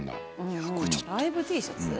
ライブＴシャツ？